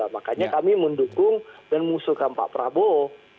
makanya kami mendukung dan mengusulkan pak prabowo